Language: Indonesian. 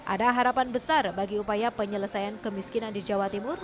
ada harapan besar bagi upaya penyelesaian kemiskinan di jawa timur